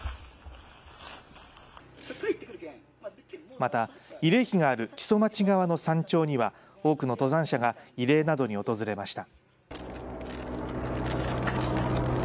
また、慰霊碑がある木曽町側の山頂には多くの登山者が慰霊などに訪れました。